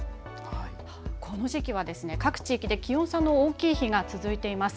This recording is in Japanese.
この時期は各地域で気温差の大きい日が続いています。